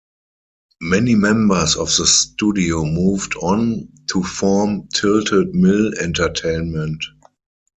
Many members of the studio moved on to form Tilted Mill Entertainment.